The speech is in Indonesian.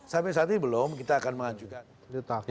sampai saat ini belum kita akan mengajukan letaknya